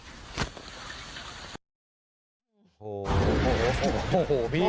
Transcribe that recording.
โหโหโหโหพี่